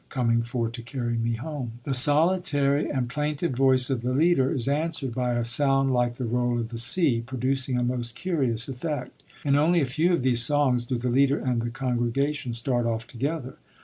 Coming for to carry me home.... The solitary and plaintive voice of the leader is answered by a sound like the roll of the sea, producing a most curious effect. In only a few of these songs do the leader and the congregation start off together.